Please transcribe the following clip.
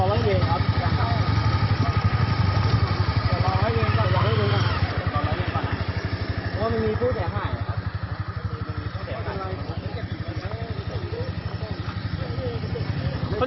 คนเจ็บอยู่ตรงนู้น